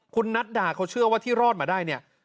คุณนัดดาเขาเชื่อว่าที่รอดมาได้เนี่ย